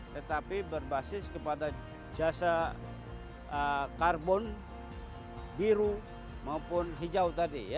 tetapi berbasis kepada jasa karbon biru maupun hijau tadi